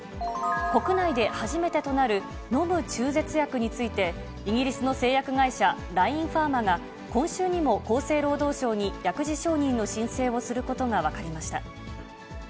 国内で初めてとなる飲む中絶薬について、イギリスの製薬会社、ラインファーマが、今週にも厚生労働省に薬事承認の申請をすることが分かりました。